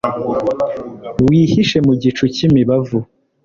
Wihishe mu gicu cyimibavu